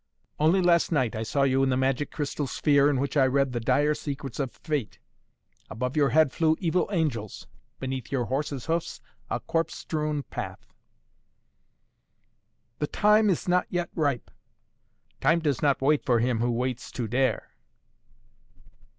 "Only last night I saw you in the magic crystal sphere in which I read the dire secrets of Fate. Above your head flew evil angels. Beneath your horse's hoofs a corpse strewn path." "The time is not yet ripe." "Time does not wait for him who waits to dare."